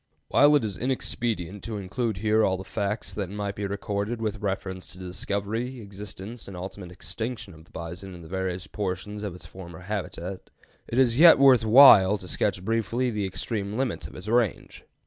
While it is inexpedient to include here all the facts that might be recorded with reference to the discovery, existence, and ultimate extinction of the bison in the various portions of its former habitat, it is yet worth while to sketch briefly the extreme limits of its range.